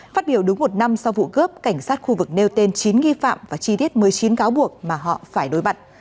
phát biểu đúng một năm sau vụ cướp cảnh sát khu vực nêu tên chín nghi phạm và chi tiết một mươi chín cáo buộc mà họ phải đối mặt